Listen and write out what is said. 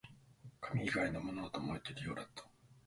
紙以外のものも燃えているようだった